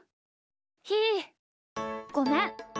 ひーごめん。